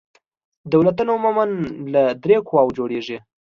دولتونه عموماً له درې قواوو جوړیږي.